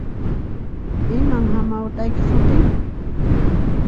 Iman hamawt'aykiq sutin?